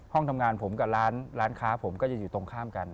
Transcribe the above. ห้องทำงานผมกับร้านค้าผมก็จะอยู่ตรงข้ามกัน